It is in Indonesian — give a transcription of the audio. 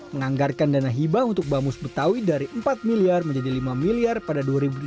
menganggarkan dana hibah untuk bamus betawi dari empat miliar menjadi lima miliar pada dua ribu lima belas